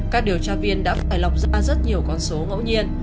các điều tra viên đã phải lọc ra rất nhiều con số ngẫu nhiên